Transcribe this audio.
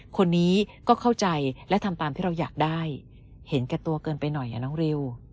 คนนี้ก็เข้าใจและทำตามที่เราอยากได้เห็นแก่ตัวเกินไปหน่อยน้องริว